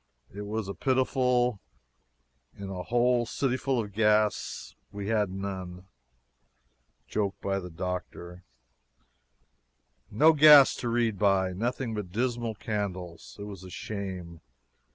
It was pitiful, In a whole city full, Gas we had none. No gas to read by nothing but dismal candles. It was a shame.